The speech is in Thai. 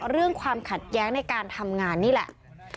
เรื่องความขัดแย้งในการทำงานนี่แหละ